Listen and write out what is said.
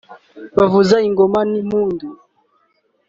bavuza ingoma n’impundu